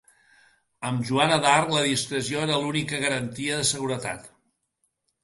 Amb Joana d'Arc la discreció era l'única garantia de seguretat.